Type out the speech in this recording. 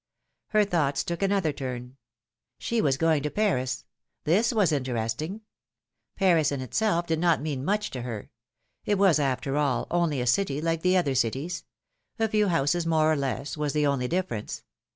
Her thoughts took another turn. She was going to Paris: this was interesting. Paris, in itself, did not mean much to her; it was, after all, only a city like other cities — a few houses more or less, was the only difference.